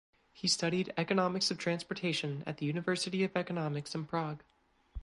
He studied Economics of Transportation at the University of Economics in Prague.